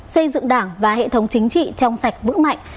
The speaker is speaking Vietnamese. xây dựng đảng và hệ thống chính trị trong sạch vững mạnh